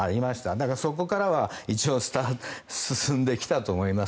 だからそこからは一応進んできたと思います。